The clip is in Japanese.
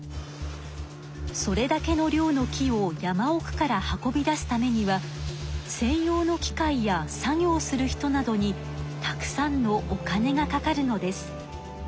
それだけの量の木を山おくから運び出すためには専用の機械や作業する人などにたくさんのお金がかかるのです。